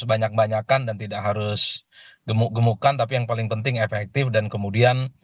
banyak banyakan dan tidak harus gemuk gemukan tapi yang paling penting efektif dan kemudian